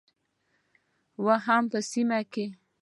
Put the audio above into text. او هم په سیمه کې